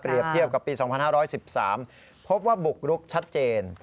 เทียบกับปี๒๕๑๓พบว่าบุกรุกชัดเจน